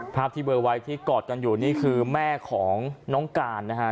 ภาพที่เบอร์ไว้ที่กอดกันอยู่นี่คือแม่ของน้องการนะฮะ